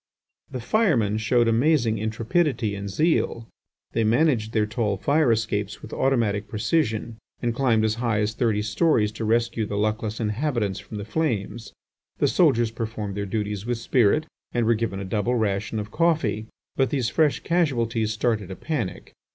The firemen showed amazing intrepidity and zeal. They managed their tall fire escapes with automatic precision, and climbed as high as thirty storeys to rescue the luckless inhabitants from the flames. The soldiers performed their duties with spirit, and were given a double ration of coffee. But these fresh casualties started a panic.